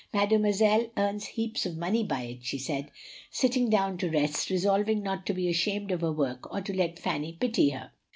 Mademoiselle earns heaps of money by it," she said, sitting down to rest, resolved not to be ashamed of her work or to let Fanny pity her.